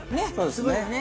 すごいよね。